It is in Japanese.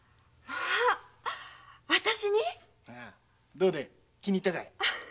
どうだい気に入ったかい？